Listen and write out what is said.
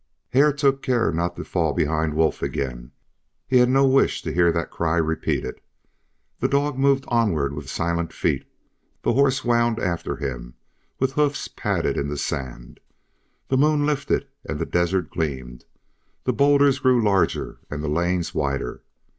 Hare took care not to fall behind Wolf again, he had no wish to hear that cry repeated. The dog moved onward with silent feet; the horse wound after him with hoofs padded in the sand; the moon lifted and the desert gleamed; the bowlders grew larger and the lanes wider.